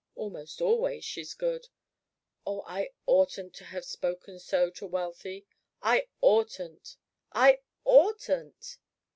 Almost always she's good. Oh, I oughtn't to have spoken so to Wealthy I oughtn't I oughtn't!"